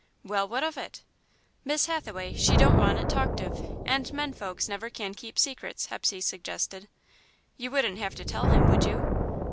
"Well, what of it?" "Miss Hathaway, she don't want it talked of, and men folks never can keep secrets," Hepsey suggested. "You wouldn't have to tell him, would you?"